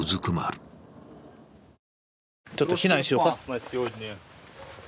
ちょっと避難しようか。